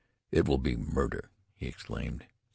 "It will be murder!" he exclaimed.